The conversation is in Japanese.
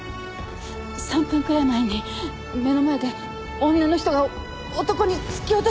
３分くらい前に目の前で女の人が男に突き落とされて！